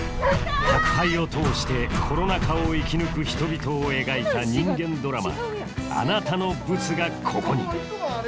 宅配を通してコロナ禍を生き抜く人々を描いた人間ドラマ「あなたのブツが、ここに」